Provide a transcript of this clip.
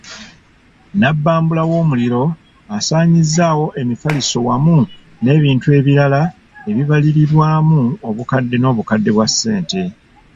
Nnabbambula w'omuliro asaanyizzaawo emifaliso wamu n'ebintu ebirala ebibalirirwamu obukadde n'obukadde bwa ssente.